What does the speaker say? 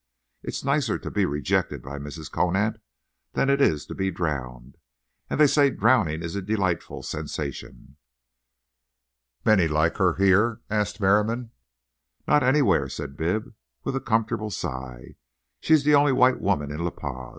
It's nicer to be rejected by Mrs. Conant than it is to be drowned. And they say drowning is a delightful sensation." "Many like her here?" asked Merriam. "Not anywhere," said Bibb, with a comfortable sigh. She's the only white woman in La Paz.